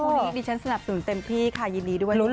วันนี้ดิฉันสนับสนุนเต็มที่ค่ะยินดีด้วย